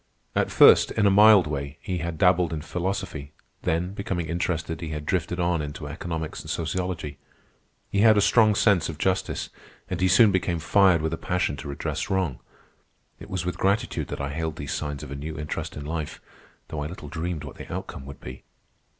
At first, in a mild way, he had dabbled in philosophy; then, becoming interested, he had drifted on into economics and sociology. He had a strong sense of justice, and he soon became fired with a passion to redress wrong. It was with gratitude that I hailed these signs of a new interest in life, though I little dreamed what the outcome would be.